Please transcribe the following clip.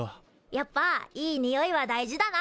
やっぱいいにおいは大事だな。